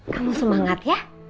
kamu semangat ya